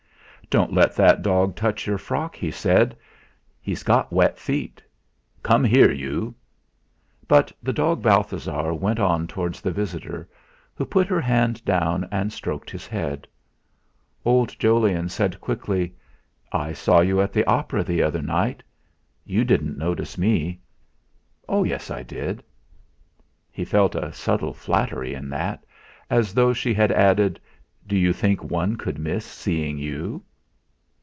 "Don't let that dog touch your frock," he said; "he's got wet feet. Come here, you!" But the dog Balthasar went on towards the visitor, who put her hand down and stroked his head. Old Jolyon said quickly: "I saw you at the opera the other night; you didn't notice me." "Oh, yes! I did." He felt a subtle flattery in that, as though she had added: 'Do you think one could miss seeing you?'